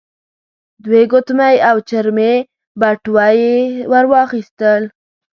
دوې ګوتمۍ او چرمې بټوه يې ور واخيستل.